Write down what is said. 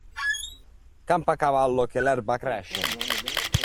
Campa cavallo che l'erba cresce.